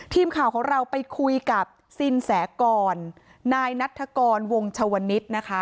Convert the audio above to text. ทีมข่าวของเราไปคุยกับสินแสกรนายนัฐกรวงชวนิษฐ์นะคะ